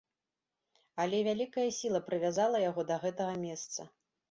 Але вялікая сіла прывязала яго да гэтага месца.